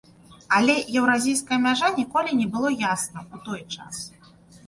Але еўразійская мяжа ніколі не было ясна, у той час.